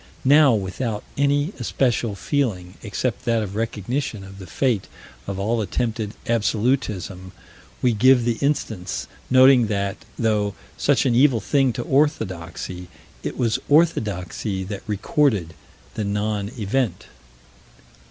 Now, without any especial feeling, except that of recognition of the fate of all attempted absolutism, we give the instance, noting that, though such an evil thing to orthodoxy, it was orthodoxy that recorded the non event.